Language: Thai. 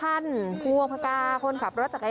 อัศวินธรรมชาติ